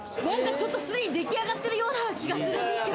既に出来上がってるような気がするんですけど。